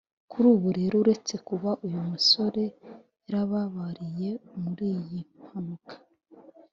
Kuri ubu rero uretse kuba uyu musore yarababariye muri iyi mpanuka